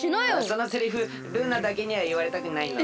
そのセリフルーナだけにはいわれたくないの。